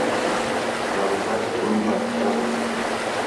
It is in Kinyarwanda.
navuma nte uwo imana itavumye?